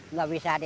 nggak bisa di